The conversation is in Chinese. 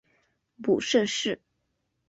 母盛氏。